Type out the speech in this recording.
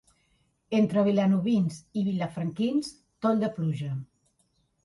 Entre vilanovins i vilafranquins, toll de pluja.